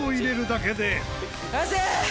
「完成！」